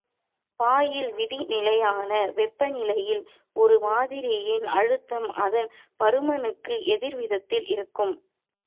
Boil விதி நிலையான வெப்பநிலையில் ஒரு மாதிரியின் அழுத்தம் அதன் பருமனுக்கு எதிர்வீதத்தில் இருக்கும்.